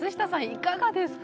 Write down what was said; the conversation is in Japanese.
いかがですか？